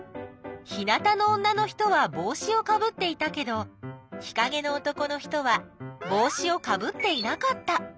日なたの女の人はぼうしをかぶっていたけど日かげの男の人はぼうしをかぶっていなかった。